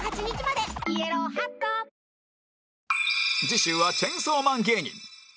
次週はチェンソーマン芸人